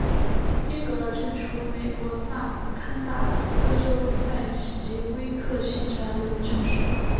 伊格尔镇区为美国堪萨斯州塞奇威克县辖下的镇区。